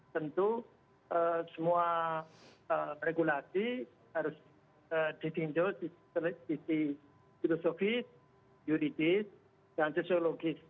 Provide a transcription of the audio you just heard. tentu semua regulasi harus dihitung di sisi filosofis juridis dan fisiologis